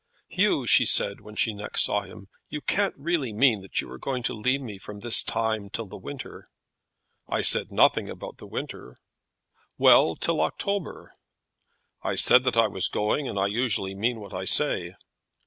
"Hugh," she said, when next she saw him, "you can't really mean that you are going to leave me from this time till the winter?" "I said nothing about the winter." "Well, till October?" "I said that I was going, and I usually mean what I say."